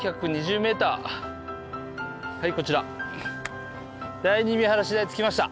はいこちら第二見晴台着きました。